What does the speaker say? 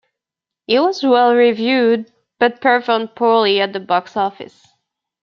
It was well reviewed but performed poorly at the box office.